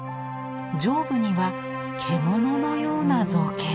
上部には獣のような造形が。